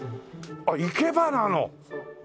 あっ生け花の。